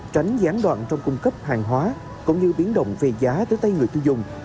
tránh gián đoạn trong cung cấp hàng hóa cũng như biến động về giá tới tay người tiêu dùng